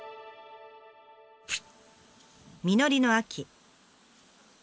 実りの秋。